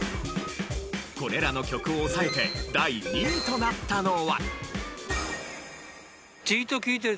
これらの曲を抑えて第２位となったのは。